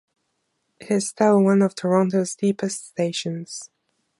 It is still one of Toronto's deepest stations.